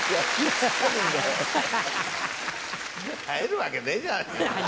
生えるわけねえじゃねぇっすか。